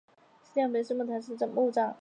是邓小平生母谈氏的墓葬。